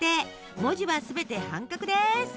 文字は全て半角です。